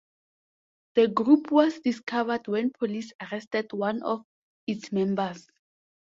The group was discovered when police arrested one of its members.